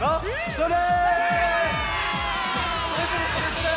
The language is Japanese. それ！